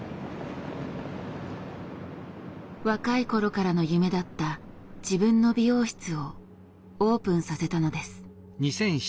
若い頃からの夢だった自分の美容室をオープンさせたのです。